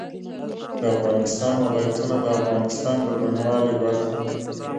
د افغانستان ولايتونه د افغانستان د بڼوالۍ برخه ده.